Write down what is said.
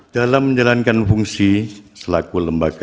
dalam menjalankan fungsi selaku lembaga